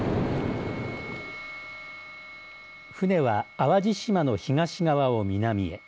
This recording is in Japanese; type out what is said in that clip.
船は淡路島の東側を南へ。